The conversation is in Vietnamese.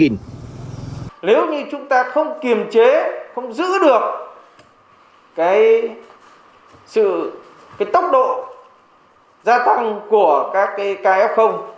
nếu như chúng ta không kiềm chế không giữ được cái tốc độ gia tăng của các kf